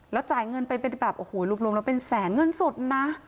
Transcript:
แล้วจ่ายเงินไปเป็นแสงเงินสดนะ